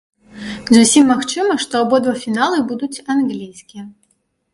Зусім магчыма, што абодва фіналы будуць англійскія.